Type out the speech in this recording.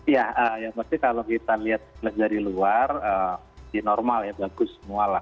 ya yang pasti kalau kita lihat dari luar di normal ya bagus semua lah